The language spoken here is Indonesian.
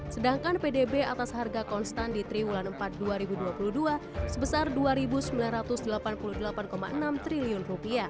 sedangkan pdb atas harga konstan di triwulan empat dua ribu dua puluh dua sebesar rp dua sembilan ratus delapan puluh delapan enam triliun